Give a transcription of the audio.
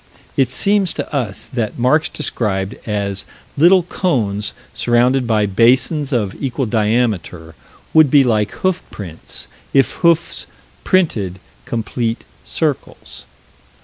It seems to us that marks described as "little cones surrounded by basins of equal diameter" would be like hoof prints, if hoofs printed complete circles.